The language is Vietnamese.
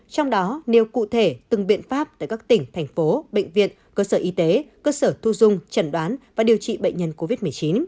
trong đó nêu cụ thể từng biện pháp tại các tỉnh thành phố bệnh viện cơ sở y tế cơ sở thu dung trần đoán và điều trị bệnh nhân covid một mươi chín